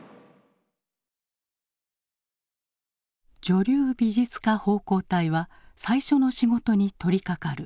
女流美術家奉公隊は最初の仕事に取りかかる。